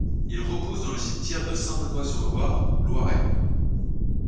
Il repose dans le cimetière de Saint-Benoît-sur-Loire, Loiret.